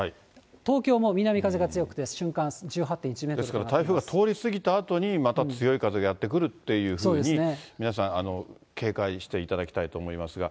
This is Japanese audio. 東京も南風が強くて、ですから、台風が通り過ぎたあとに、また強い風がやって来るというふうに皆さん、警戒していただきたいと思いますが。